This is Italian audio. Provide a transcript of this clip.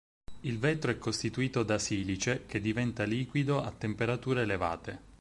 Il vetro è costituito da silice, che diventa liquido a temperature elevate.